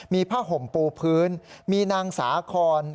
มีผ้าห่มปูพื้นมีนางสาคอน